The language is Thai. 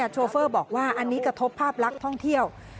โชเฟอร์บอกว่าอันนี้กระทบภาพลักษณ์ท่องเที่ยว